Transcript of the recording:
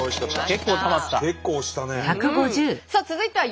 結構押したね。